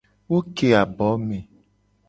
Wo ke abo me.